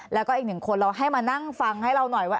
แล้วก็อีกหนึ่งคนเราให้มานั่งฟังให้เราหน่อยว่า